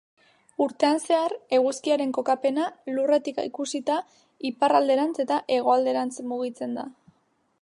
Urtean zehar, eguzkiaren kokapena, Lurretik ikusita, iparralderantz eta hegoalderantz mugitzen da.